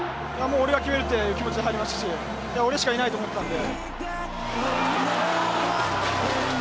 俺が決めるって気持ちで入りましたし、俺しかいないと思ってたんで。